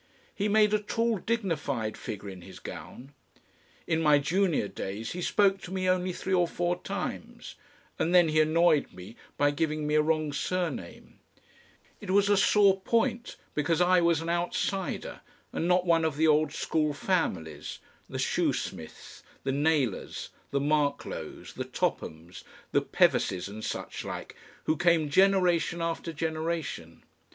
He made a tall dignified figure in his gown. In my junior days he spoke to me only three or four times, and then he annoyed me by giving me a wrong surname; it was a sore point because I was an outsider and not one of the old school families, the Shoesmiths, the Naylors, the Marklows, the Tophams, the Pevises and suchlike, who came generation after generation.